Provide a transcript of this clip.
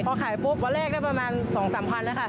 พอขายปุ๊บวันแรกได้ประมาณ๒๓พันแล้วค่ะ